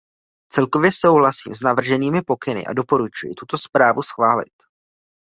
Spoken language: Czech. Celkově souhlasím s navrženými pokyny a doporučuji tuto zprávu schválit.